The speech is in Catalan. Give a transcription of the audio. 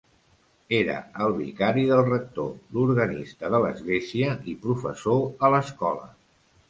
Era el vicari del rector, l'organista de l'església i professor a l'escola.